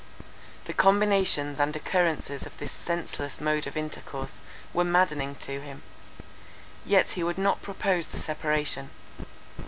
The combinations and occurrences of this senseless mode of intercourse were maddening to him. Yet he would not propose the separation.